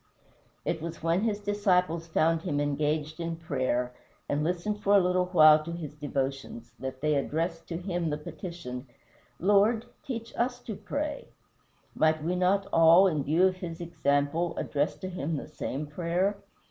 It was when his disciples found him engaged in prayer, and listened for a little while to his devotions, that they addressed to him the petition, "Lord, teach us to pray." Might we not all, in view of his example, address to him the same prayer?